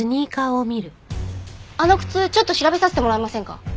あの靴ちょっと調べさせてもらえませんか？